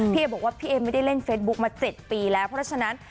เอบอกว่าพี่เอไม่ได้เล่นเฟซบุ๊กมา๗ปีแล้วเพราะฉะนั้น